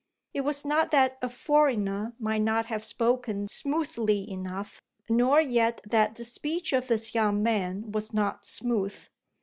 It was not that a foreigner might not have spoken smoothly enough, nor yet that the speech of this young man was not smooth.